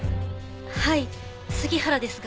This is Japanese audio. はい杉原ですが。